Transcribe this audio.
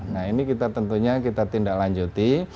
nah ini tentunya kita tidak lanjuti